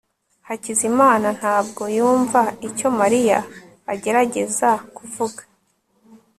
hakizimana ntabwo yumva icyo mariya agerageza kuvuga